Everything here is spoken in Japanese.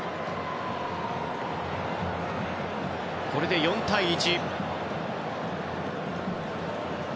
これで４対１。